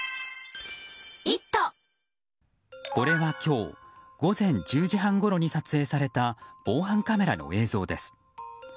これは今日午前１０時半ごろに撮影された防犯カメラの映像です。